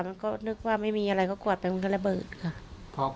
มันก็นึกว่าไม่มีอะไรก็ขวดไปมันก็ระเบิดค่ะ